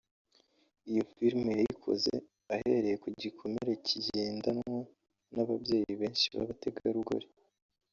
Iyo film yayikoze ahereye ku gikomere kigendanwa n’ababyeyi benshi b’abategarugori